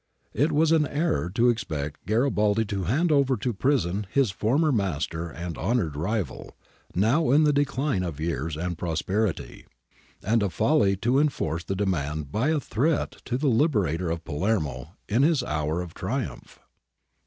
It was an error to expect Garibaldi to hand over to prison his former master and honoured rival, now in the decline of years and prosperity, and a folly to enforce the demand by a threat to the liberator of Palermo in his hour of triumph.